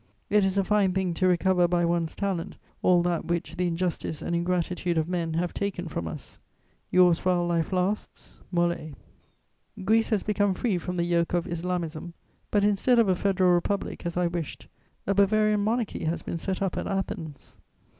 It is a fine thing to recover by one's talent all that which the injustice and ingratitude of men have taken from us. "Yours while life lasts, "MOLÉ." Greece has become free from the yoke of Islamism; but, instead of a federal republic, as I wished, a Bavarian monarchy has been set up at Athens.